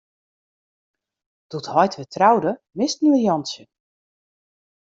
Doe't heit wer troude, misten we Jantsje.